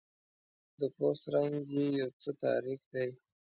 د پوست رنګ یې یو څه تاریک دی.